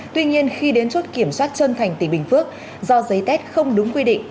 tuy nhiên khi đến chốt kiểm soát chân thành tỉnh bình phước do giấy tét không đúng quy định